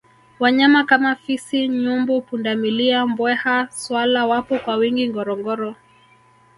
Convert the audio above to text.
wanyama kama fisi nyumbu pundamilia mbweha swala wapo kwa wingi ngorongoro